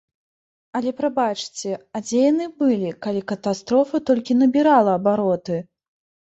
Але прабачце, а дзе яны былі, калі катастрофа толькі набірала абароты?